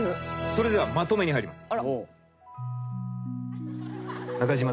それではまとめに入ります。